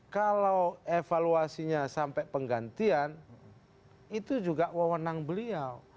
kalau evaluasinya sampai penggantian itu juga wawonang beliau